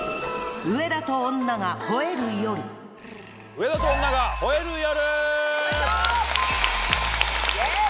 『上田と女が吠える夜』！